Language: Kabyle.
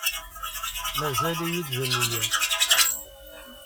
Mazal-iyi d nneyya.